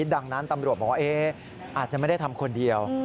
ดังนั้นตำรวจบอกว่าอาจจะไม่ได้ทำคนเดียว